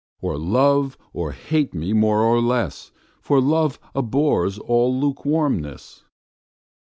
Or love or hate me more or less, 5 For love abhors all lukewarmness.